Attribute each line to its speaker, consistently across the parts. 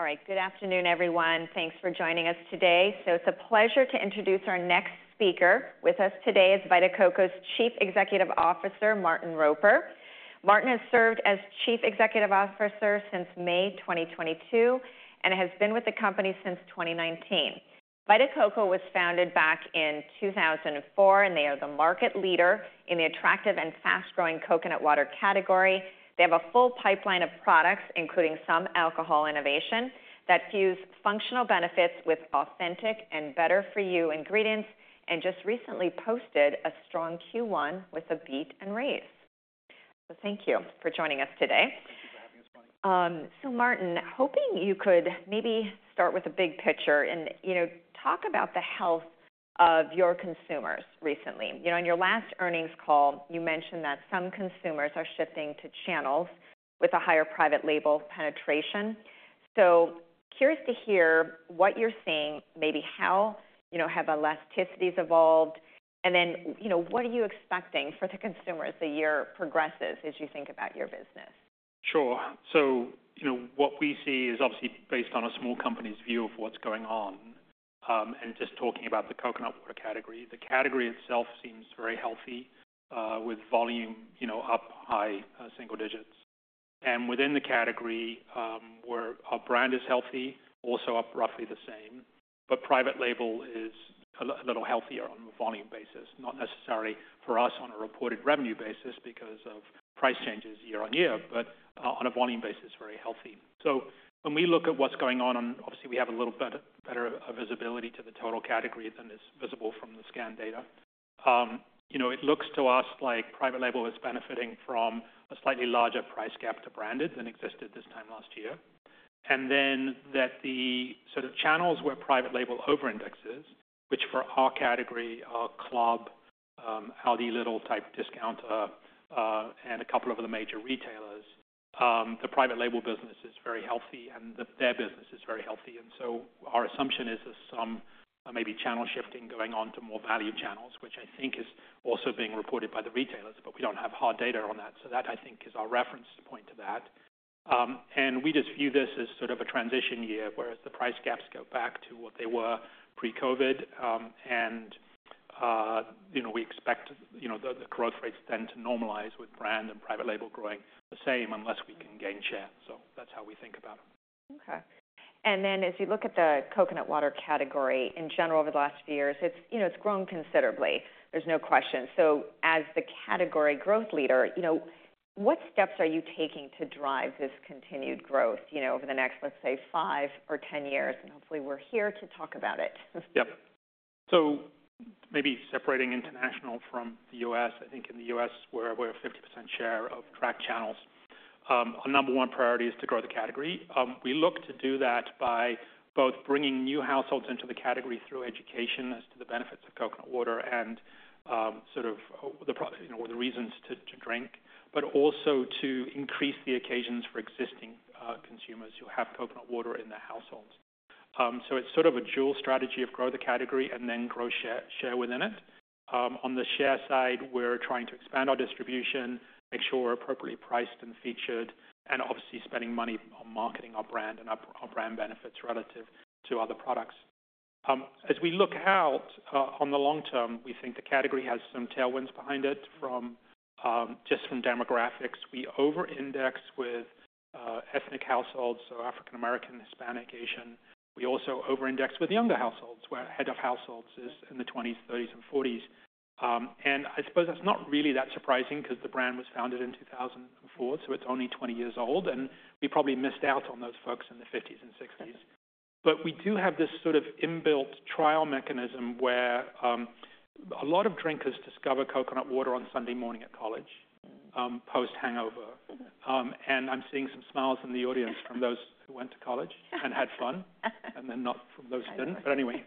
Speaker 1: All right. Good afternoon, everyone. Thanks for joining us today. So it's a pleasure to introduce our next speaker. With us today is Vita Coco's Chief Executive Officer, Martin Roper. Martin has served as Chief Executive Officer since May 2022, and has been with the company since 2019. Vita Coco was founded back in 2004, and they are the market leader in the attractive and fast-growing coconut water category. They have a full pipeline of products, including some alcohol innovation, that fuse functional benefits with authentic and better for you ingredients, and just recently posted a strong Q1 with a beat and raise. So thank you for joining us today.
Speaker 2: Thank you for having us on.
Speaker 1: So, Martin, hoping you could maybe start with the big picture and, you know, talk about the health of your consumers recently. You know, in your last earnings call, you mentioned that some consumers are shifting to channels with a higher private label penetration. So curious to hear what you're seeing, maybe how, you know, have elasticities evolved, and then, you know, what are you expecting for the consumer as the year progresses, as you think about your business?
Speaker 2: Sure. So, you know, what we see is obviously based on a small company's view of what's going on. And just talking about the coconut water category, the category itself seems very healthy, with volume, you know, up high single digits. And within the category, where our brand is healthy, also up roughly the same. But private label is a little healthier on a volume basis, not necessarily for us on a reported revenue basis because of price changes year on year, but on a volume basis, very healthy. So when we look at what's going on, obviously, we have a little better visibility to the total category than is visible from the scan data. You know, it looks to us like private label is benefiting from a slightly larger price gap to branded than existed this time last year. And then the sort of channels where private label overindexes, which for our category are club, ALDI, Lidl type discount, and a couple of other major retailers. The private label business is very healthy, and their business is very healthy, and so our assumption is there's some maybe channel shifting going on to more value channels, which I think is also being reported by the retailers, but we don't have hard data on that. So that, I think, is our reference point to that. And we just view this as sort of a transition year, whereas the price gaps go back to what they were pre-COVID. And, you know, we expect, you know, the, the growth rates then to normalize with brand and private label growing the same, unless we can gain share. So that's how we think about it.
Speaker 1: Okay. And then as you look at the coconut water category in general over the last few years, it's, you know, it's grown considerably. There's no question. So as the category growth leader, you know, what steps are you taking to drive this continued growth, you know, over the next, let's say, 5 or 10 years? And hopefully, we're here to talk about it.
Speaker 2: Yep. So maybe separating international from the U.S. I think in the U.S., we're, we're 50% share of tracked channels. Our number one priority is to grow the category. We look to do that by both bringing new households into the category through education as to the benefits of coconut water and, sort of you know, or the reasons to, to drink, but also to increase the occasions for existing consumers who have coconut water in their households. So it's sort of a dual strategy of grow the category and then grow share, share within it. On the share side, we're trying to expand our distribution, make sure we're appropriately priced and featured, and obviously spending money on marketing our brand and our, our brand benefits relative to other products. As we look out on the long term, we think the category has some tailwinds behind it from just demographics. We overindex with ethnic households, so African American, Hispanic, Asian. We also overindex with younger households, where head of households is in the 20s, 30s, and 40s. And I suppose that's not really that surprising because the brand was founded in 2004, so it's only 20 years old, and we probably missed out on those folks in the 50s and 60s. But we do have this sort of inbuilt trial mechanism, where a lot of drinkers discover coconut water on Sunday morning at college, post-hangover. And I'm seeing some smiles in the audience from those who went to college and had fun, and then not from those who didn't. But anyway,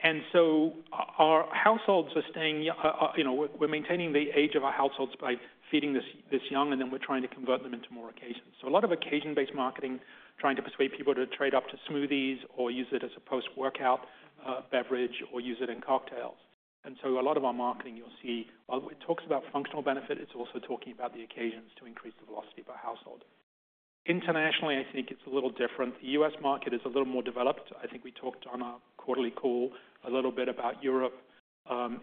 Speaker 2: and so our households are staying, you know, we're, we're maintaining the age of our households by feeding this, this young, and then we're trying to convert them into more occasions. So a lot of occasion-based marketing, trying to persuade people to trade up to smoothies or use it as a post-workout, beverage, or use it in cocktails. And so a lot of our marketing you'll see, it talks about functional benefit. It's also talking about the occasions to increase the velocity per household. Internationally, I think it's a little different. The U.S. market is a little more developed. I think we talked on our quarterly call a little bit about Europe.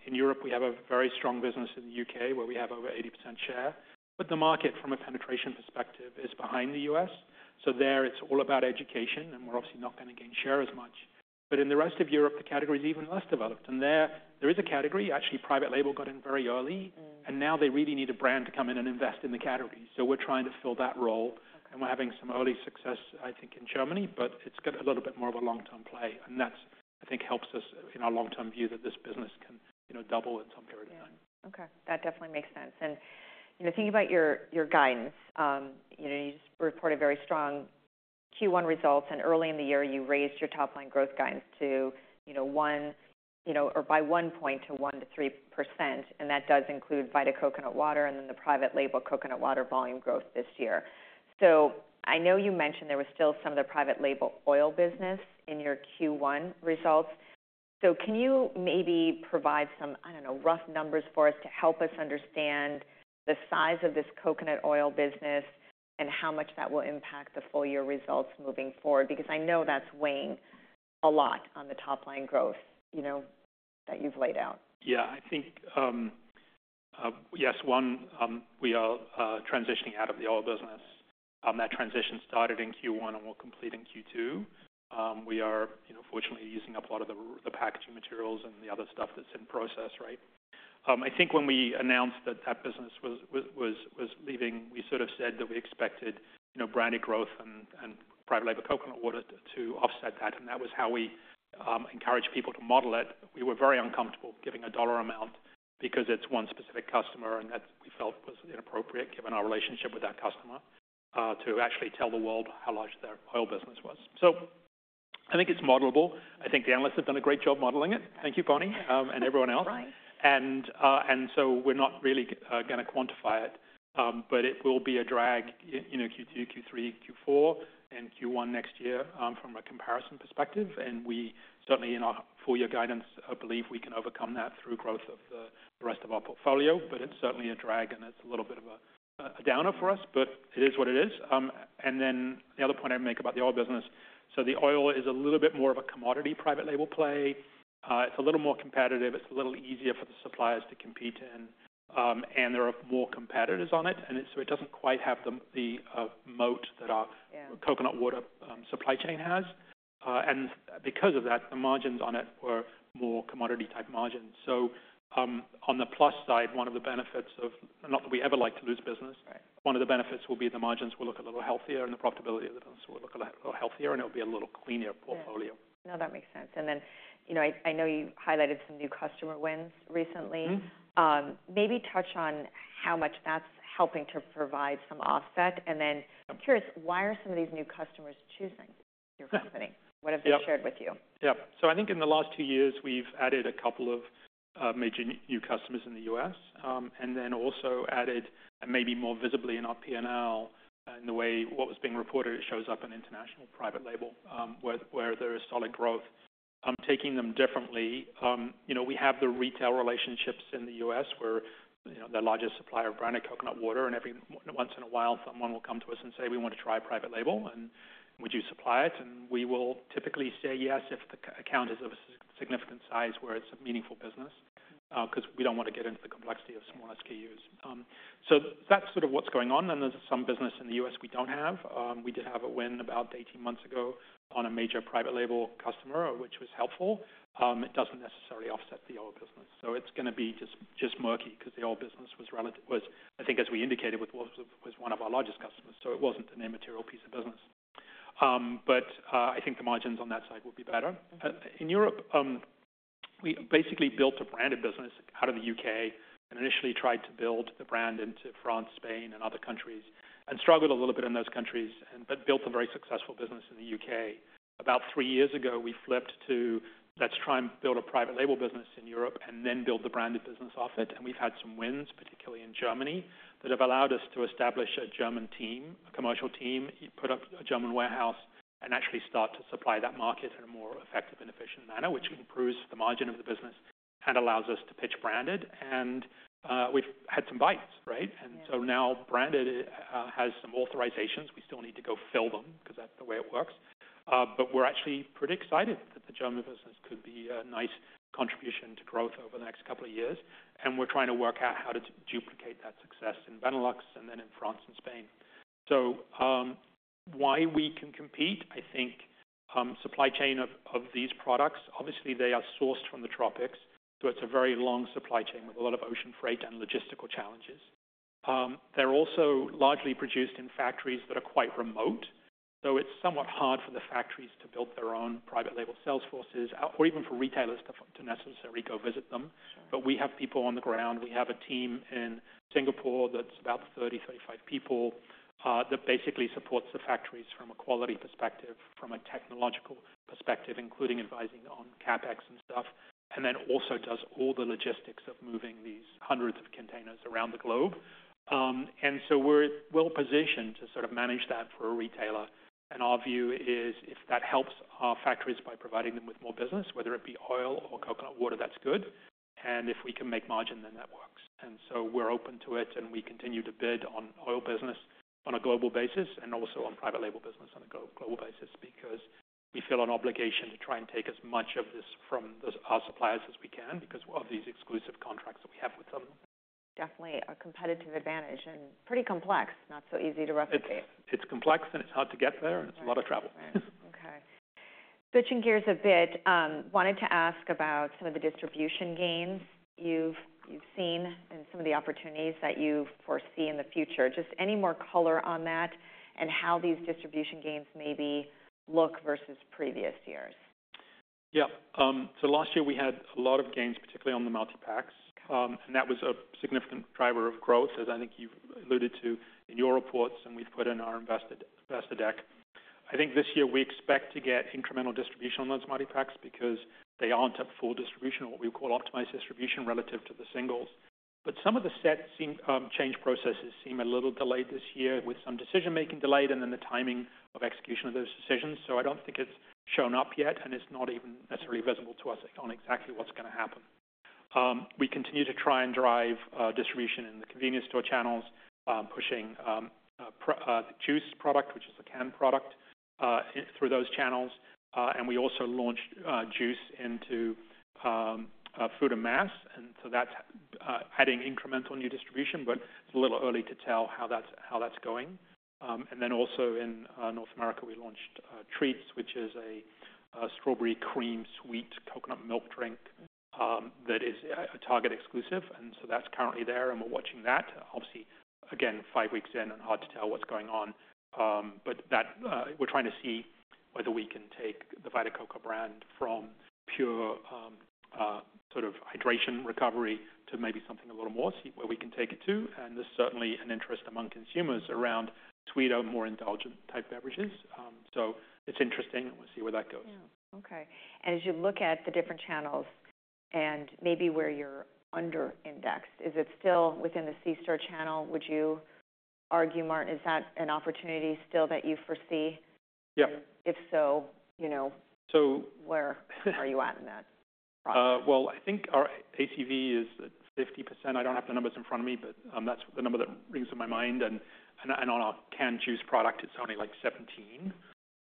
Speaker 2: In Europe, we have a very strong business in the U.K., where we have over 80% share, but the market, from a penetration perspective, is behind the U.S. So, there, it's all about education, and we're obviously not going to gain share as much. But in the rest of Europe, the category is even less developed, and there, there is a category. Actually, private label got in very early.
Speaker 1: Mm.
Speaker 2: Now they really need a brand to come in and invest in the category. So we're trying to fill that role, and we're having some early success, I think, in Germany, but it's got a little bit more of a long-term play, and that, I think, helps us in our long-term view that this business can, you know, double at some period of time.
Speaker 1: Yeah. Okay, that definitely makes sense. And, you know, thinking about your, your guidance, you know, you just reported very strong Q1 results, and early in the year, you raised your top line growth guidance to, you know, 1, you know, or by 1 point to 1%-3%, and that does include Vita Coco coconut water and then the private label coconut water volume growth this year. So I know you mentioned there was still some of the private label oil business in your Q1 results... So can you maybe provide some, I don't know, rough numbers for us to help us understand the size of this coconut oil business and how much that will impact the full year results moving forward? Because I know that's weighing a lot on the top line growth, you know, that you've laid out.
Speaker 2: Yeah, I think yes, one, we are transitioning out of the oil business. That transition started in Q1 and will complete in Q2. We are, you know, fortunately, using up a lot of the packaging materials and the other stuff that's in process, right? I think when we announced that that business was leaving, we sort of said that we expected, you know, branded growth and private label coconut water to offset that, and that was how we encouraged people to model it. We were very uncomfortable giving a dollar amount because it's one specific customer, and that we felt was inappropriate, given our relationship with that customer, to actually tell the world how large their oil business was. So I think it's modelable. I think the analysts have done a great job modeling it. Thank you, Bonnie, and everyone else.
Speaker 1: Right.
Speaker 2: And so we're not really gonna quantify it. But it will be a drag in, you know, Q2, Q3, Q4, and Q1 next year, from a comparison perspective. And we certainly, in our full year guidance, believe we can overcome that through growth of the rest of our portfolio. But it's certainly a drag, and it's a little bit of a downer for us, but it is what it is. And then the other point I'd make about the oil business, so the oil is a little bit more of a commodity private label play. It's a little more competitive. It's a little easier for the suppliers to compete in, and there are more competitors on it, so it doesn't quite have the moat that our-
Speaker 1: Yeah...
Speaker 2: coconut water, supply chain has. And because of that, the margins on it were more commodity-type margins. So, on the plus side, one of the benefits of, not that we ever like to lose business-
Speaker 1: Right...
Speaker 2: one of the benefits will be the margins will look a little healthier, and the profitability of the business will look a lot healthier, and it'll be a little cleaner portfolio.
Speaker 1: Yeah. No, that makes sense. And then, you know, I know you've highlighted some new customer wins recently.
Speaker 2: Mm-hmm.
Speaker 1: Maybe touch on how much that's helping to provide some offset. Then I'm curious, why are some of these new customers choosing your company?
Speaker 2: Yeah.
Speaker 1: What have they shared with you?
Speaker 2: Yeah. So I think in the last two years, we've added a couple of major new customers in the U.S., and then also added, and maybe more visibly in our P&L and the way what was being reported, it shows up in international private label, where there is solid growth. I'm taking them differently. You know, we have the retail relationships in the U.S., we're, you know, the largest supplier of branded coconut water, and every once in a while, someone will come to us and say, "We want to try private label, and would you supply it?" And we will typically say yes, if the account is of a significant size, where it's a meaningful business, because we don't want to get into the complexity of small SKUs. So that's sort of what's going on, and there's some business in the U.S. we don't have. We did have a win about 18 months ago on a major private label customer, which was helpful. It doesn't necessarily offset the oil business, so it's gonna be just, just murky because the oil business was, I think, as we indicated, with Walmart, one of our largest customers, so it wasn't an immaterial piece of business. But, I think the margins on that side will be better.
Speaker 1: Mm-hmm.
Speaker 2: In Europe, we basically built a branded business out of the U.K. and initially tried to build the brand into France, Spain, and other countries, and struggled a little bit in those countries and, but built a very successful business in the U.K. About 3 years ago, we flipped to, "Let's try and build a private label business in Europe and then build the branded business off it." And we've had some wins, particularly in Germany, that have allowed us to establish a German team, a commercial team, put up a German warehouse, and actually start to supply that market in a more effective and efficient manner, which improves the margin of the business and allows us to pitch branded. We've had some bites, right?
Speaker 1: Yeah.
Speaker 2: So now branded has some authorizations. We still need to go fill them because that's the way it works. But we're actually pretty excited that the German business could be a nice contribution to growth over the next couple of years, and we're trying to work out how to duplicate that success in Benelux and then in France and Spain. So, why we can compete? I think supply chain of these products, obviously they are sourced from the tropics, so it's a very long supply chain with a lot of ocean freight and logistical challenges. They're also largely produced in factories that are quite remote, so it's somewhat hard for the factories to build their own private label sales forces out, or even for retailers to necessarily go visit them.
Speaker 1: Sure.
Speaker 2: But we have people on the ground. We have a team in Singapore that's about 30-35 people that basically supports the factories from a quality perspective, from a technological perspective, including advising on CapEx and stuff, and then also does all the logistics of moving these hundreds of containers around the globe. And so we're well positioned to sort of manage that for a retailer. Our view is, if that helps our factories by providing them with more business, whether it be oil or coconut water, that's good, and if we can make margin, then that works. And so we're open to it, and we continue to bid on oil business on a global basis and also on private label business on a global basis, because we feel an obligation to try and take as much of this from those, our suppliers as we can, because of these exclusive contracts that we have with them.
Speaker 1: Definitely a competitive advantage and pretty complex, not so easy to replicate.
Speaker 2: It's complex, and it's hard to get there, and it's a lot of travel.
Speaker 1: Right. Okay. Switching gears a bit, wanted to ask about some of the distribution gains you've seen and some of the opportunities that you foresee in the future. Just any more color on that and how these distribution gains maybe look versus previous years?
Speaker 2: Yeah. So last year we had a lot of gains, particularly on the multipacks.
Speaker 1: Okay.
Speaker 2: And that was a significant driver of growth, as I think you've alluded to in your reports, and we've put in our investor deck. I think this year we expect to get incremental distribution on those multipacks because they aren't at full distribution or what we call optimized distribution, relative to the singles. But some of the set scheme change processes seem a little delayed this year, with some decision making delayed and then the timing of execution of those decisions. So I don't think it's shown up yet, and it's not even necessarily visible to us on exactly what's gonna happen. We continue to try and drive distribution in the convenience store channels, pushing the juice product, which is a canned product, through those channels. And we also launched juice into food and mass. And so that's, adding incremental new distribution, but it's a little early to tell how that's, how that's going. And then also in, North America, we launched, Treats, which is a strawberry cream, sweet coconut milk drink, that is a Target exclusive. And so that's currently there, and we're watching that. Obviously, again, five weeks in and hard to tell what's going on. But that, we're trying to see whether we can take the Vita Coco brand from pure, sort of hydration recovery to maybe something a little more, see where we can take it to. And there's certainly an interest among consumers around sweeter, more indulgent type beverages. So it's interesting, and we'll see where that goes.
Speaker 1: Yeah. Okay. And as you look at the different channels and maybe where you're under-indexed, is it still within the C-store channel? Would you argue, Martin, is that an opportunity still that you foresee?
Speaker 2: Yeah.
Speaker 1: If so, you know-
Speaker 2: So-
Speaker 1: Where are you at in that product?
Speaker 2: Well, I think our ACV is at 50%. I don't have the numbers in front of me, but that's the number that rings in my mind. And on our canned juice product, it's only, like, 17.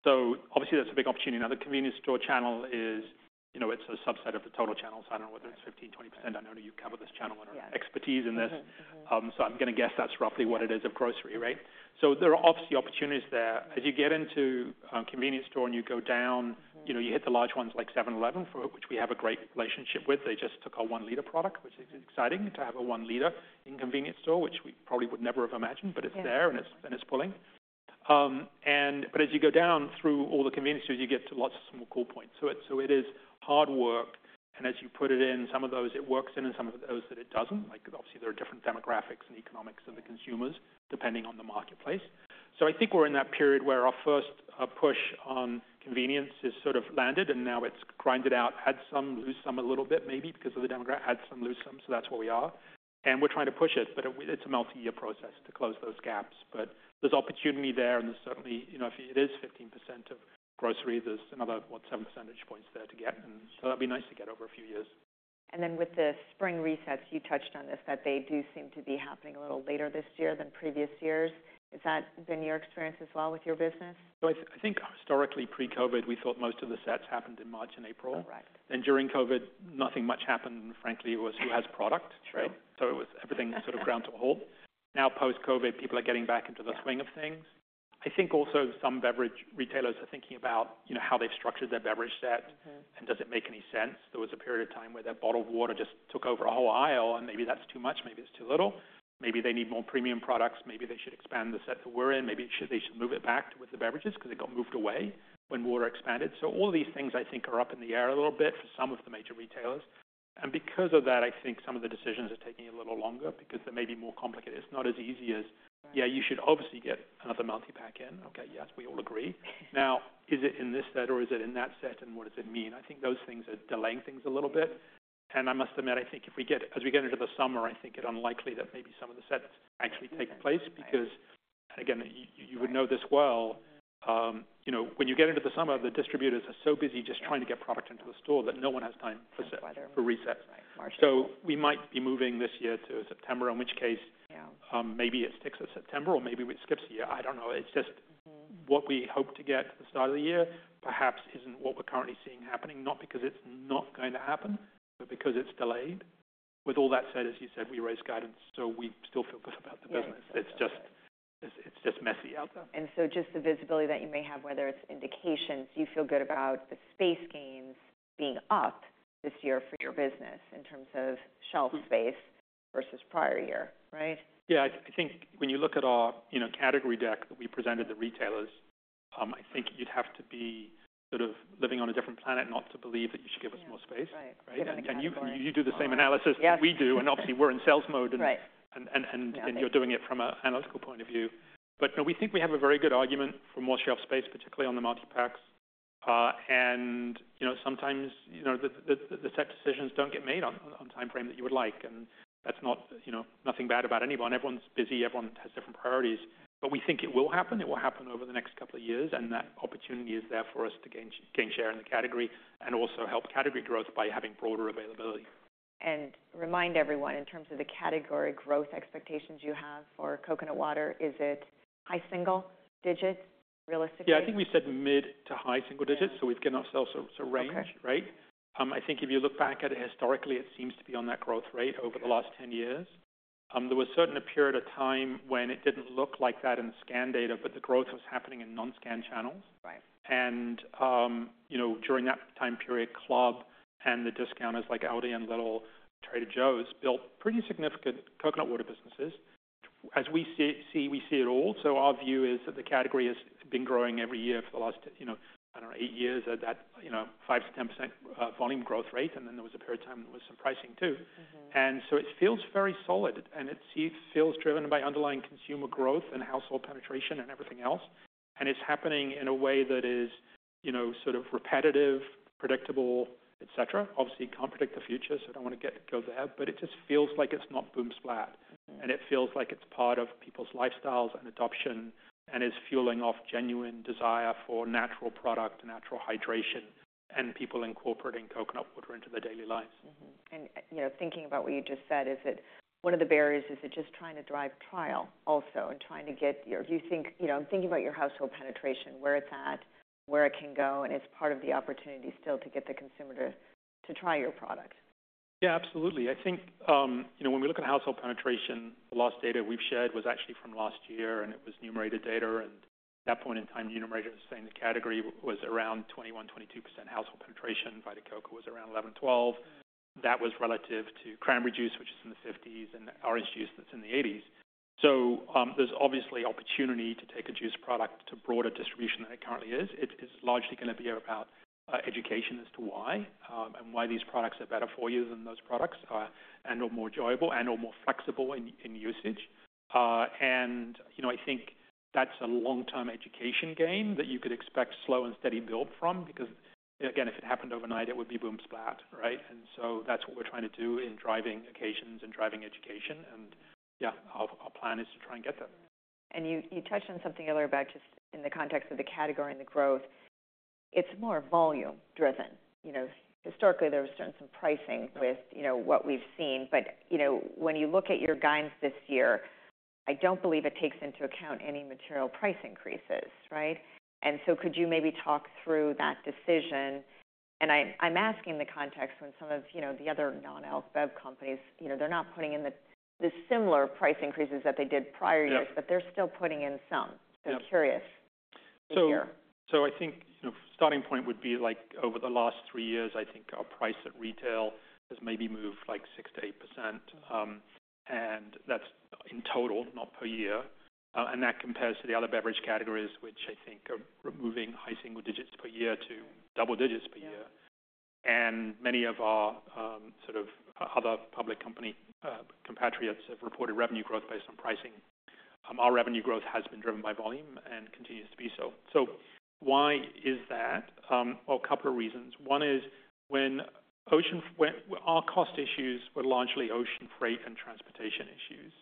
Speaker 2: So obviously, that's a big opportunity. Now, the convenience store channel is, you know, it's a subset of the total channel, so I don't know whether it's 15, 20%. I know that you cover this channel and our-
Speaker 1: Yeah
Speaker 2: expertise in this.
Speaker 1: Mm-hmm. Mm-hmm.
Speaker 2: So I'm gonna guess that's roughly what it is of grocery, right? There are obviously opportunities there. As you get into convenience store and you go down, you know, you hit the large ones like 7-Eleven, for which we have a great relationship with. They just took our 1-liter product, which is exciting to have a 1-liter in convenience store, which we probably would never have imagined.
Speaker 1: Yeah...
Speaker 2: but it's there and it's pulling. But as you go down through all the convenience stores, you get to lots of small cold points. So it is hard work, and as you put it in, some of those it works in and some of those that it doesn't. Like, obviously there are different demographics and economics of the consumers, depending on the marketplace. So I think we're in that period where our first push on convenience is sort of landed, and now it's grinded out. Add some, lose some, a little bit maybe because of the demographic. Add some, lose some. So that's where we are. And we're trying to push it, but it's a multi-year process to close those gaps. But there's opportunity there, and there's certainly... You know, if it is 15% of grocery, there's another what? 7 percentage points there to get, and so that'd be nice to get over a few years.
Speaker 1: Then with the spring resets, you touched on this, that they do seem to be happening a little later this year than previous years. Has that been your experience as well with your business?
Speaker 2: So I think historically, pre-COVID, we thought most of the sets happened in March and April.
Speaker 1: Correct.
Speaker 2: Then during COVID, nothing much happened, and frankly, it was who has product, right?
Speaker 1: Sure.
Speaker 2: It was everything sort of ground to a halt. Now, post-COVID, people are getting back into the-
Speaker 1: Yeah
Speaker 2: Swing of things. I think also some beverage retailers are thinking about, you know, how they've structured their beverage set.
Speaker 1: Mm-hmm...
Speaker 2: and does it make any sense? There was a period of time where that bottled water just took over a whole aisle, and maybe that's too much, maybe it's too little. Maybe they need more premium products. Maybe they should expand the set that we're in. Maybe they should, they should move it back with the beverages 'cause it got moved away when water expanded. So all these things, I think, are up in the air a little bit for some of the major retailers. And because of that, I think some of the decisions are taking a little longer because they may be more complicated. It's not as easy as-
Speaker 1: Right
Speaker 2: Yeah, you should obviously get another multi-pack in. Okay. Yes, we all agree. Now, is it in this set or is it in that set, and what does it mean? I think those things are delaying things a little bit. I must admit, I think as we get into the summer, I think it unlikely that maybe some of the sets actually take place.
Speaker 1: Right.
Speaker 2: Because, again, you would know this well, you know, when you get into the summer, the distributors are so busy just-
Speaker 1: Yeah...
Speaker 2: trying to get product into the store, that no one has time for set-
Speaker 1: Weather...
Speaker 2: for reset.
Speaker 1: Right. March.
Speaker 2: So we might be moving this year to September, in which case-
Speaker 1: Yeah...
Speaker 2: maybe it sticks at September, or maybe we skips a year. I don't know. It's just-
Speaker 1: Mm-hmm...
Speaker 2: what we hope to get at the start of the year perhaps isn't what we're currently seeing happening, not because it's not going to happen, but because it's delayed. With all that said, as you said, we raised guidance, so we still feel good about the business.
Speaker 1: Yeah.
Speaker 2: It's just messy out there.
Speaker 1: And so just the visibility that you may have, whether it's indications, do you feel good about the space gains being up this year for your business in terms of shelf space versus prior year, right?
Speaker 2: Yeah, I think when you look at our, you know, category deck that we presented to retailers, I think you'd have to be sort of living on a different planet not to believe that you should give us more space.
Speaker 1: Yeah, right.
Speaker 2: Right?
Speaker 1: Different category.
Speaker 2: And you do the same analysis.
Speaker 1: Yes...
Speaker 2: that we do, and obviously, we're in sales mode and-
Speaker 1: Right...
Speaker 2: and, and, and-
Speaker 1: Yeah...
Speaker 2: you're doing it from an analytical point of view. But, we think we have a very good argument for more shelf space, particularly on the multi-packs. And, you know, sometimes, you know, the set decisions don't get made on timeframe that you would like, and that's not, you know, nothing bad about anyone. Everyone's busy, everyone has different priorities, but we think it will happen. It will happen over the next couple of years, and that opportunity is there for us to gain share in the category and also help category growth by having broader availability.
Speaker 1: Remind everyone, in terms of the category growth expectations you have for coconut water, is it high single digits, realistically?
Speaker 2: Yeah, I think we said mid- to high-single digits.
Speaker 1: Yeah.
Speaker 2: We've given ourselves a range.
Speaker 1: Okay.
Speaker 2: Right? I think if you look back at it historically, it seems to be on that growth rate over the last 10 years. There was certainly a period of time when it didn't look like that in the scan data, but the growth was happening in non-scan channels.
Speaker 1: Right.
Speaker 2: You know, during that time period, Club and the discounters, like Aldi and Lidl, Trader Joe's, built pretty significant coconut water businesses. As we see it all. So our view is that the category has been growing every year for the last, you know, I don't know, eight years at that, you know, 5%-10% volume growth rate, and then there was a period of time when there was some pricing, too.
Speaker 1: Mm-hmm.
Speaker 2: And so it feels very solid, and it feels driven by underlying consumer growth and household penetration and everything else. And it's happening in a way that is, you know, sort of repetitive, predictable, et cetera. Obviously, you can't predict the future, so I don't want to go there, but it just feels like it's not boom, splat. And it feels like it's part of people's lifestyles and adoption, and is fueling off genuine desire for natural product, natural hydration, and people incorporating coconut water into their daily lives.
Speaker 1: Mm-hmm. And, you know, thinking about what you just said, is it, one of the barriers, is it just trying to drive trial also, and trying to get your... Do you think, you know, I'm thinking about your household penetration, where it's at, where it can go, and it's part of the opportunity still to get the consumer to, to try your product?
Speaker 2: Yeah, absolutely. I think, you know, when we look at household penetration, the last data we've shared was actually from last year, and it was Numerator data. At that point in time, Numerator was saying the category was around 21%-22% household penetration. Vita Coco was around 11-12. That was relative to cranberry juice, which is in the 50s, and orange juice, that's in the 80s. So, there's obviously opportunity to take a juice product to broader distribution than it currently is. It is largely going to be about education as to why, and why these products are better for you than those products are, and/or more enjoyable and/or more flexible in usage. And, you know, I think that's a long-term education game that you could expect slow and steady build from, because, again, if it happened overnight, it would be boom, splat, right? And so that's what we're trying to do in driving occasions and driving education. And yeah, our plan is to try and get there.
Speaker 1: And you touched on something earlier about just in the context of the category and the growth, it's more volume driven. You know, historically, there was certainly some pricing with, you know, what we've seen. But, you know, when you look at your guidance this year, I don't believe it takes into account any material price increases, right? And so could you maybe talk through that decision? And I'm asking in the context when some of, you know, the other non-alc bev companies, you know, they're not putting in the similar price increases that they did prior years-
Speaker 2: Yeah.
Speaker 1: but they're still putting in some.
Speaker 2: Yeah.
Speaker 1: Curious to hear.
Speaker 2: I think, you know, starting point would be, like, over the last 3 years, I think our price at retail has maybe moved, like, 6%-8%, and that's in total, not per year. And that compares to the other beverage categories, which I think are removing high single digits per year to double digits per year.
Speaker 1: Yeah.
Speaker 2: And many of our, sort of, other public company compatriots have reported revenue growth based on pricing. Our revenue growth has been driven by volume and continues to be so. So why is that? Well, a couple of reasons. One is, our cost issues were largely ocean freight and transportation issues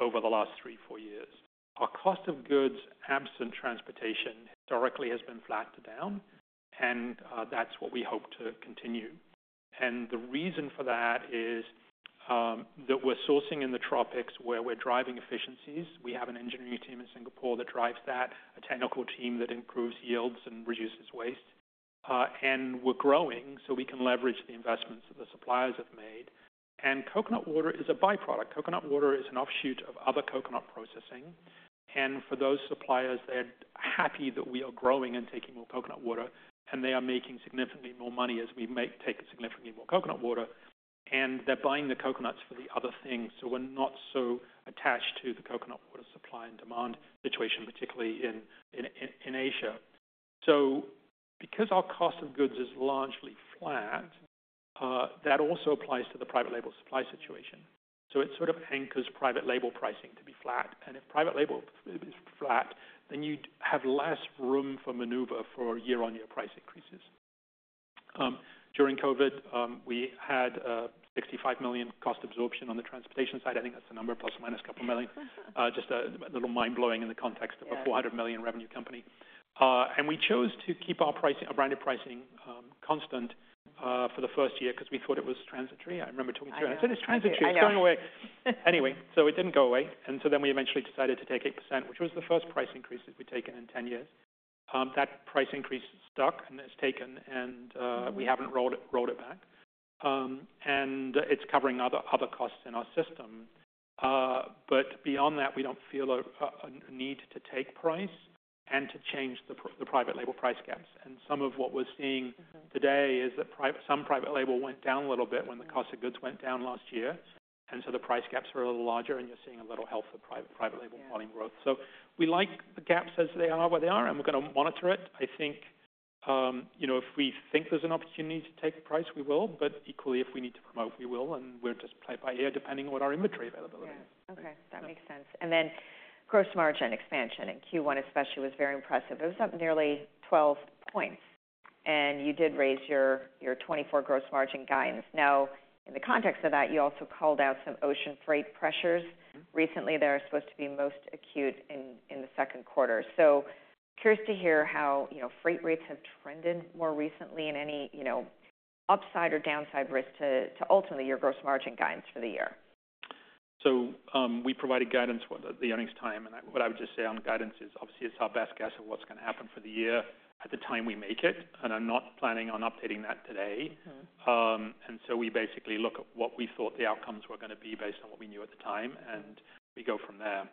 Speaker 2: over the last 3-4 years. Our cost of goods, absent transportation, directly, has been flat to down, and that's what we hope to continue. And the reason for that is, that we're sourcing in the tropics where we're driving efficiencies. We have an engineering team in Singapore that drives that, a technical team that improves yields and reduces waste. And we're growing, so we can leverage the investments that the suppliers have made. And coconut water is a by-product. Coconut water is an offshoot of other coconut processing, and for those suppliers, they're happy that we are growing and taking more coconut water, and they are making significantly more money as we make, take significantly more coconut water, and they're buying the coconuts for the other things. So we're not so attached to the coconut water supply and demand situation, particularly in Asia. So because our cost of goods is largely flat, that also applies to the private label supply situation. So it sort of anchors private label pricing to be flat, and if private label is flat, then you'd have less room for maneuver for year-on-year price increases. During COVID, we had a $65 million cost absorption on the transportation side. I think that's the number, + or - a couple of million. Just a little mind-blowing in the context-
Speaker 1: Yeah...
Speaker 2: of a $400 million revenue company. We chose to keep our pricing, our branded pricing, for the first year because we thought it was transitory. I remember talking to you-
Speaker 1: I know.
Speaker 2: This is transitory. It's going away." Anyway, so it didn't go away, and so then we eventually decided to take 8%, which was the first price increase that we'd taken in 10 years. That price increase stuck, and it's taken, and,
Speaker 1: Mm-hmm...
Speaker 2: we haven't rolled it back. And it's covering other costs in our system. But beyond that, we don't feel a need to take price and to change the private label price gaps.
Speaker 1: Mm-hmm.
Speaker 2: Some of what we're seeing-
Speaker 1: Mm-hmm...
Speaker 2: today is that some private label went down a little bit when the cost of goods went down last year, and so the price gaps were a little larger, and you're seeing a little health of private label-
Speaker 1: Yeah...
Speaker 2: volume growth. So we like the gaps as they are, where they are, and we're going to monitor it. I think, you know, if we think there's an opportunity to take price, we will, but equally, if we need to promote, we will. And we'll just play it by ear, depending on what our inventory availability is.
Speaker 1: Yeah. Okay, that makes sense. And then gross margin expansion, and Q1 especially, was very impressive. It was up nearly 12 points, and you did raise your, your 2024 gross margin guidance. Now, in the context of that, you also called out some ocean freight pressures.
Speaker 2: Mm-hmm.
Speaker 1: Recently, they are supposed to be most acute in the second quarter. So curious to hear how, you know, freight rates have trended more recently and any, you know, upside or downside risk to ultimately your gross margin guidance for the year.
Speaker 2: We provided guidance for the earnings time, and what I would just say on the guidance is, obviously, it's our best guess of what's going to happen for the year at the time we make it, and I'm not planning on updating that today.
Speaker 1: Mm-hmm.
Speaker 2: And so we basically look at what we thought the outcomes were going to be based on what we knew at the time, and we go from there.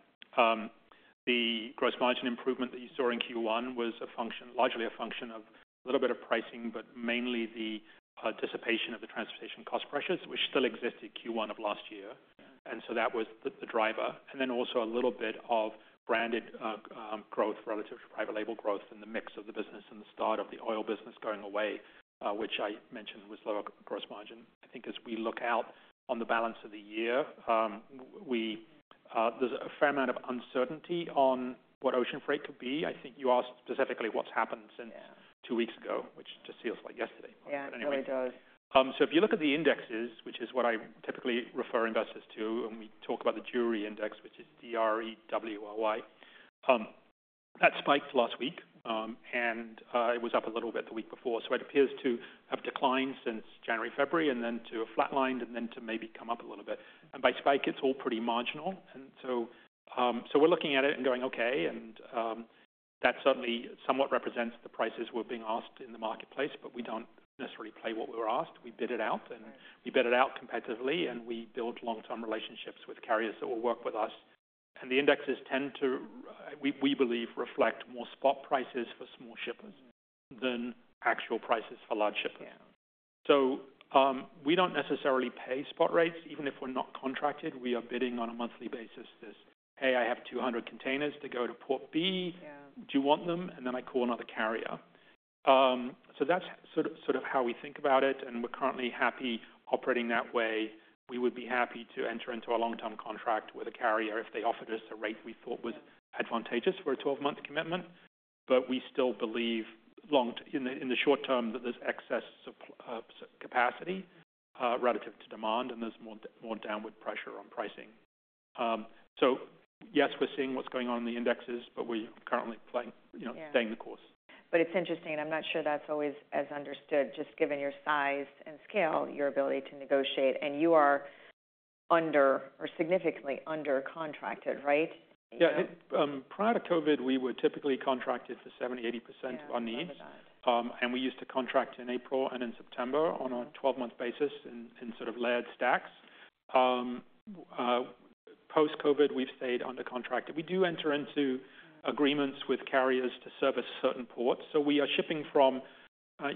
Speaker 2: The gross margin improvement that you saw in Q1 was a function, largely a function of a little bit of pricing, but mainly the participation of the transportation cost pressures, which still existed in Q1 of last year. And so that was the driver. And then also a little bit of branded growth relative to private label growth and the mix of the business and the start of the oil business going away, which I mentioned was lower gross margin. I think as we look out on the balance of the year, we, there's a fair amount of uncertainty on what ocean freight could be. I think you asked specifically what's happened since-
Speaker 1: Yeah.
Speaker 2: two weeks ago, which just feels like yesterday.
Speaker 1: Yeah, it really does.
Speaker 2: So if you look at the indexes, which is what I typically refer investors to, and we talk about the Drewry Index, which is D-R-E-W-R-Y, that spiked last week, and it was up a little bit the week before. So it appears to have declined since January, February, and then to have flatlined and then to maybe come up a little bit. And by spike, it's all pretty marginal. And so, so we're looking at it and going, okay, and, that certainly somewhat represents the prices we're being asked in the marketplace, but we don't necessarily pay what we were asked. We bid it out, and we bid it out competitively, and we build long-term relationships with carriers that will work with us. The indexes tend to, we believe, reflect more spot prices for small shippers than actual prices for large shippers.
Speaker 1: Yeah.
Speaker 2: We don't necessarily pay spot rates, even if we're not contracted. We are bidding on a monthly basis this, "Hey, I have 200 containers to go to port B.
Speaker 1: Yeah.
Speaker 2: Do you want them?" And then I call another carrier. So that's sort of, sort of how we think about it, and we're currently happy operating that way. We would be happy to enter into a long-term contract with a carrier if they offered us a rate we thought was advantageous for a 12-month commitment. But we still believe in the short term that there's excess supply capacity relative to demand, and there's more downward pressure on pricing. So yes, we're seeing what's going on in the indexes, but we're currently playing, you know-
Speaker 1: Yeah...
Speaker 2: staying the course.
Speaker 1: But it's interesting, I'm not sure that's always as understood, just given your size and scale, your ability to negotiate, and you are under or significantly under contracted, right?
Speaker 2: Yeah. Prior to COVID, we were typically contracted for 70%-80% of our needs.
Speaker 1: Yeah, I remember that.
Speaker 2: And we used to contract in April and in September on a 12-month basis in sort of layered stacks. Post-COVID, we've stayed under contract. We do enter into agreements with carriers to service certain ports. So we are shipping from,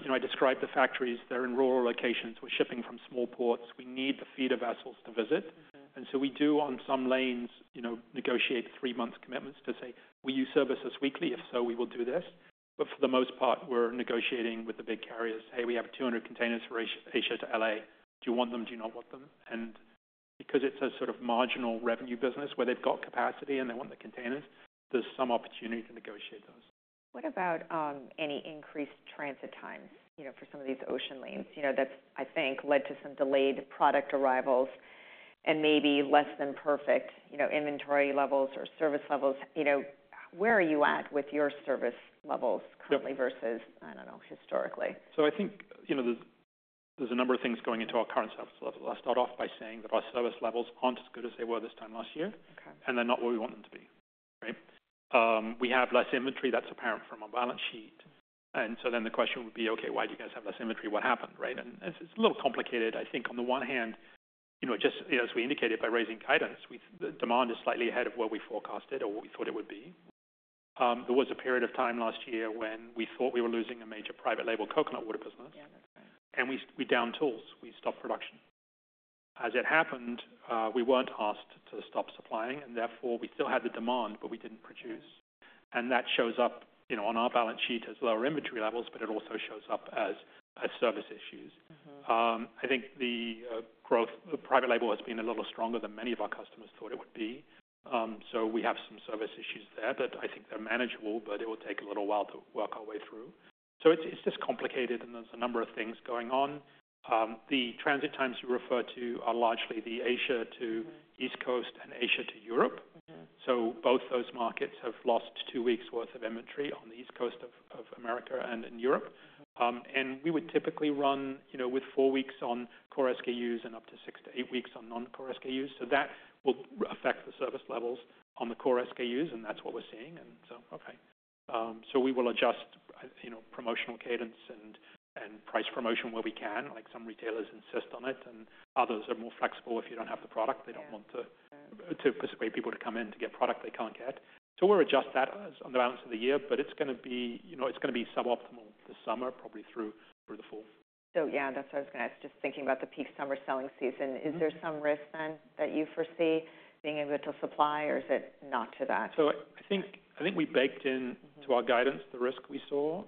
Speaker 2: you know, I described the factories, they're in rural locations. We're shipping from small ports. We need the feeder vessels to visit.
Speaker 1: Mm-hmm.
Speaker 2: And so we do, on some lanes, you know, negotiate three-month commitments to say, "Will you service us weekly? If so, we will do this." But for the most part, we're negotiating with the big carriers: "Hey, we have 200 containers for Asia to L.A. Do you want them? Do you not want them?" And because it's a sort of marginal revenue business where they've got capacity and they want the containers, there's some opportunity to negotiate those.
Speaker 1: What about any increased transit times, you know, for some of these ocean lanes? You know, that's, I think, led to some delayed product arrivals and maybe less than perfect, you know, inventory levels or service levels. You know, where are you at with your service levels currently-
Speaker 2: Yep
Speaker 1: versus, I don't know, historically?
Speaker 2: I think, you know, there's a number of things going into our current service levels. I'll start off by saying that our service levels aren't as good as they were this time last year.
Speaker 1: Okay.
Speaker 2: And they're not where we want them to be, right? We have less inventory that's apparent from our balance sheet. And so then the question would be: Okay, why do you guys have less inventory? What happened, right? And it's a little complicated. I think on the one hand, you know, just, you know, as we indicated by raising guidance, we, the demand is slightly ahead of where we forecasted or what we thought it would be. There was a period of time last year when we thought we were losing a major private label coconut water business.
Speaker 1: Yeah, that's right.
Speaker 2: We downed tools. We stopped production. As it happened, we weren't asked to stop supplying, and therefore, we still had the demand, but we didn't produce.
Speaker 1: Yeah.
Speaker 2: That shows up, you know, on our balance sheet as lower inventory levels, but it also shows up as service issues.
Speaker 1: Mm-hmm.
Speaker 2: I think the growth, the private label has been a little stronger than many of our customers thought it would be. So we have some service issues there, but I think they're manageable, but it will take a little while to work our way through. So it's, it's just complicated, and there's a number of things going on. The transit times you refer to are largely the Asia to East Coast and Asia to Europe.
Speaker 1: Mm-hmm.
Speaker 2: So both those markets have lost 2 weeks' worth of inventory on the East Coast of America and in Europe. And we would typically run, you know, with 4 weeks on core SKUs and up to 6-8 weeks on non-core SKUs. So that will affect the service levels on the core SKUs, and that's what we're seeing. And so, okay. So we will adjust, you know, promotional cadence and price promotion where we can. Like, some retailers insist on it, and others are more flexible if you don't have the product.
Speaker 1: Yeah.
Speaker 2: They don't want to-
Speaker 1: Sure
Speaker 2: to persuade people to come in to get product they can't get. So we'll adjust that as on the balance of the year, but it's gonna be... you know, it's gonna be suboptimal this summer, probably through the fall.
Speaker 1: So yeah, that's what I was gonna—just thinking about the peak summer selling season.
Speaker 2: Mm-hmm.
Speaker 1: Is there some risk then, that you foresee being able to supply or is it not to that?
Speaker 2: I think we baked in-
Speaker 1: Mm-hmm
Speaker 2: -to our guidance, the risk we saw.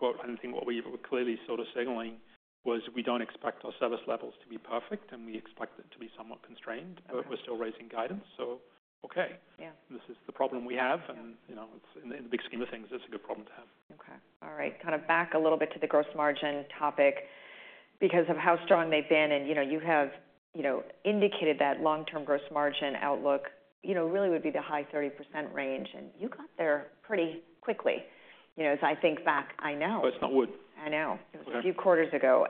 Speaker 2: But I think what we were clearly sort of signaling was we don't expect our service levels to be perfect, and we expect it to be somewhat constrained.
Speaker 1: Okay.
Speaker 2: But we're still raising guidance, so okay.
Speaker 1: Yeah.
Speaker 2: This is the problem we have-
Speaker 1: Yeah
Speaker 2: You know, it's in the big scheme of things, it's a good problem to have.
Speaker 1: Okay. All right, kind of back a little bit to the gross margin topic. Because of how strong they've been, and, you know, you have, you know, indicated that long-term gross margin outlook, you know, really would be the high 30% range, and you got there pretty quickly. You know, as I think back, I know.
Speaker 2: Well, it's not wood.
Speaker 1: I know.
Speaker 2: Yeah.
Speaker 1: A few quarters ago,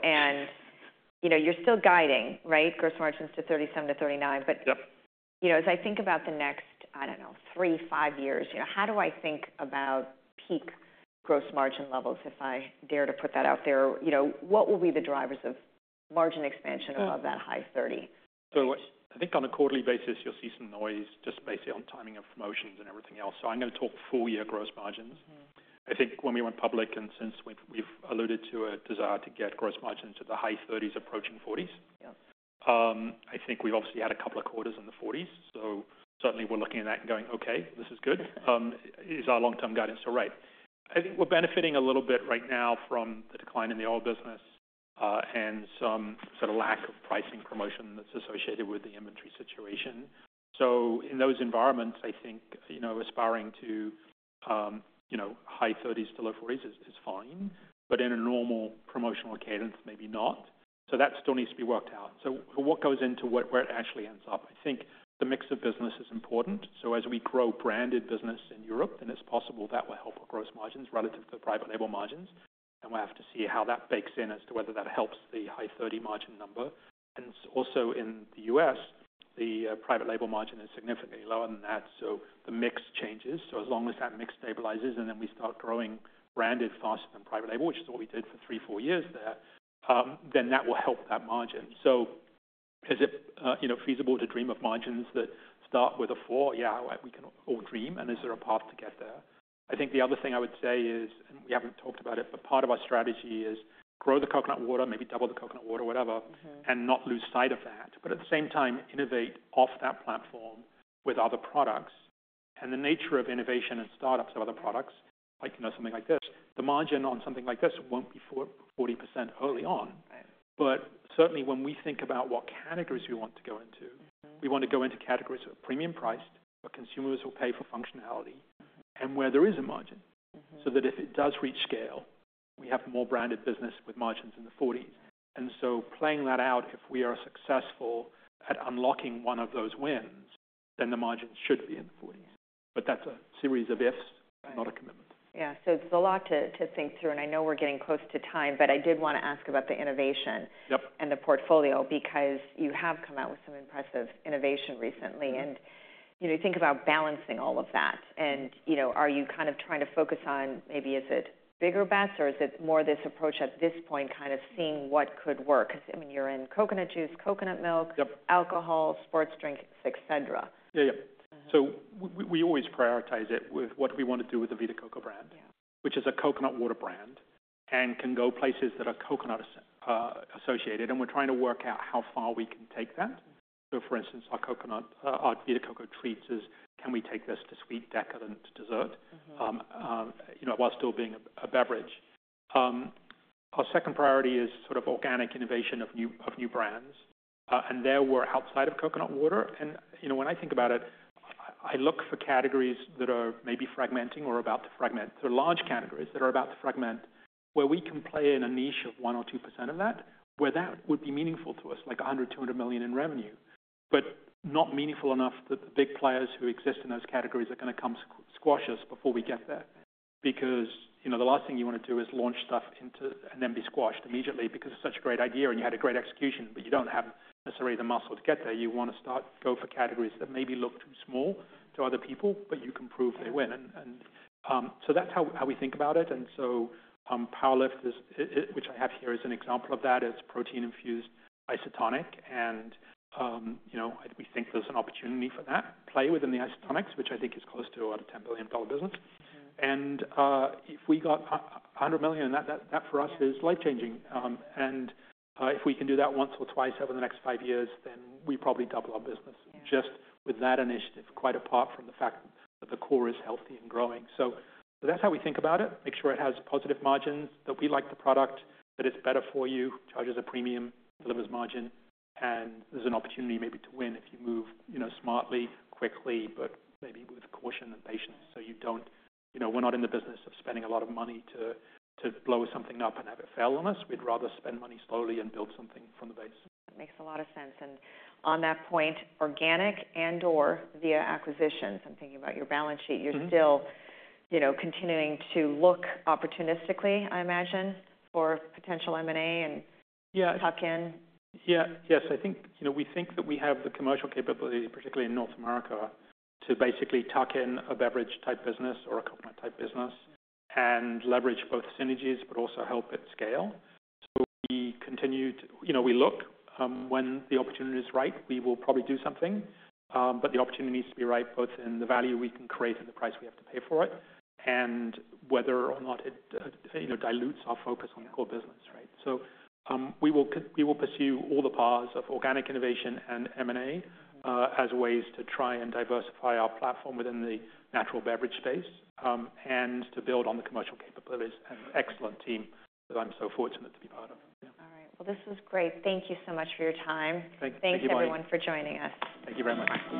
Speaker 1: you know, you're still guiding, right? Gross margins to 37%-39%, but-
Speaker 2: Yep.
Speaker 1: You know, as I think about the next, I don't know, 3-5 years, you know, how do I think about peak gross margin levels, if I dare to put that out there? You know, what will be the drivers of margin expansion above that high 30.
Speaker 2: I think on a quarterly basis, you'll see some noise just based on timing of promotions and everything else. I'm going to talk full year gross margins.
Speaker 1: Mm-hmm.
Speaker 2: I think when we went public, and since we've alluded to a desire to get gross margins to the high thirties, approaching forties.
Speaker 1: Yeah.
Speaker 2: I think we've obviously had a couple of quarters in the 40s, so certainly we're looking at that and going, "Okay, this is good." Is our long-term guidance so right? I think we're benefiting a little bit right now from the decline in the oil business, and some sort of lack of pricing promotion that's associated with the inventory situation. So in those environments, I think, you know, aspiring to, you know, high 30s to low 40s is fine, but in a normal promotional cadence, maybe not. So that still needs to be worked out. So what goes into where it actually ends up? I think the mix of business is important. So as we grow branded business in Europe, then it's possible that will help our gross margins relative to the private label margins, and we'll have to see how that bakes in as to whether that helps the high 30s margin number. And also in the US, the private label margin is significantly lower than that, so the mix changes. So as long as that mix stabilizes, and then we start growing branded faster than private label, which is what we did for 3, 4 years there, then that will help that margin. So is it, you know, feasible to dream of margins that start with a 4? Yeah, we can all dream. And is there a path to get there? I think the other thing I would say is, and we haven't talked about it, but part of our strategy is grow the coconut water, maybe double the coconut water or whatever-
Speaker 1: Mm-hmm.
Speaker 2: -and not lose sight of that, but at the same time, innovate off that platform with other products. And the nature of innovation and startups of other products, like, you know, something like this, the margin on something like this won't be 40% early on.
Speaker 1: Right.
Speaker 2: But certainly, when we think about what categories we want to go into.
Speaker 1: Mm-hmm.
Speaker 2: We want to go into categories that are premium priced, but consumers will pay for functionality and where there is a margin.
Speaker 1: Mm-hmm.
Speaker 2: So that if it does reach scale, we have more branded business with margins in the 40s. And so playing that out, if we are successful at unlocking one of those wins, then the margins should be in the 40s. But that's a series of ifs-
Speaker 1: Right.
Speaker 2: not a commitment.
Speaker 1: Yeah. So it's a lot to think through, and I know we're getting close to time, but I did want to ask about the innovation-
Speaker 2: Yep.
Speaker 1: the portfolio, because you have come out with some impressive innovation recently.
Speaker 2: Mm-hmm.
Speaker 1: You know, think about balancing all of that. You know, are you kind of trying to focus on maybe is it bigger bets or is it more this approach at this point, kind of seeing what could work? Because, I mean, you're in coconut juice, coconut milk-
Speaker 2: Yep.
Speaker 1: -alcohol, sports drinks, et cetera.
Speaker 2: Yeah, yeah.
Speaker 1: Uh.
Speaker 2: So we always prioritize it with what we want to do with the Vita Coco brand-
Speaker 1: Yeah
Speaker 2: -which is a coconut water brand, and can go places that are coconut, associated. And we're trying to work out how far we can take that. So, for instance, our coconut, our Vita Coco Treats is: Can we take this to sweet, decadent dessert?
Speaker 1: Mm-hmm.
Speaker 2: You know, while still being a beverage. Our second priority is sort of organic innovation of new brands. And there we're outside of coconut water. And, you know, when I think about it, I look for categories that are maybe fragmenting or about to fragment. So large categories that are about to fragment, where we can play in a niche of 1% or 2% of that, where that would be meaningful to us, like $100-$200 million in revenue, but not meaningful enough that the big players who exist in those categories are going to come squash us before we get there. Because, you know, the last thing you want to do is launch stuff into... And then be squashed immediately because it's such a great idea, and you had a great execution, but you don't have necessarily the muscle to get there. You want to start, go for categories that maybe look too small to other people, but you can prove they win.
Speaker 1: Mm-hmm.
Speaker 2: So that's how we think about it. And so, PWR LIFT, which I have here as an example of that, is protein-infused isotonic. And, you know, we think there's an opportunity for that play within the isotonics, which I think is close to a $10 billion business.
Speaker 1: Mm-hmm.
Speaker 2: If we got $100 million, that for us is life-changing.
Speaker 1: Yeah.
Speaker 2: If we can do that once or twice over the next five years, then we probably double our business.
Speaker 1: Yeah
Speaker 2: Just with that initiative, quite apart from the fact that the core is healthy and growing. So that's how we think about it. Make sure it has positive margins, that we like the product, that it's better for you, charges a premium, delivers margin, and there's an opportunity maybe to win if you move, you know, smartly, quickly, but maybe with caution and patience, so you don't... You know, we're not in the business of spending a lot of money to blow something up and have it fail on us. We'd rather spend money slowly and build something from the base.
Speaker 1: That makes a lot of sense. And on that point, organic and/or via acquisitions, I'm thinking about your balance sheet.
Speaker 2: Mm-hmm.
Speaker 1: You're still, you know, continuing to look opportunistically, I imagine, for potential M&A and-
Speaker 2: Yeah.
Speaker 1: -tuck in?
Speaker 2: Yeah. Yes, I think, you know, we think that we have the commercial capability, particularly in North America, to basically tuck in a beverage-type business or a coconut-type business, and leverage both synergies but also help it scale. So we continue to... You know, we look. When the opportunity is right, we will probably do something, but the opportunity needs to be right, both in the value we can create and the price we have to pay for it, and whether or not it, you know, dilutes our focus on the core business, right? So, we will pursue all the paths of organic innovation and M&A, as ways to try and diversify our platform within the natural beverage space, and to build on the commercial capabilities and excellent team that I'm so fortunate to be part of. Yeah.
Speaker 1: All right. Well, this was great. Thank you so much for your time.
Speaker 2: Thank you, Bonnie.
Speaker 1: Thanks, everyone, for joining us.
Speaker 2: Thank you very much.